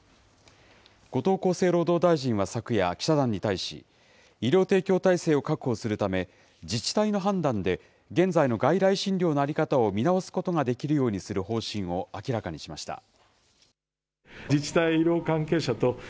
後藤厚生労働大臣は昨夜、記者団に対し、医療提供体制を確保するため、自治体の判断で、現在の外来診療の在り方を見直すことができるようにする方針を明らかにしました。